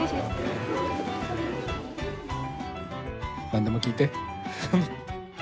何でも聞いて。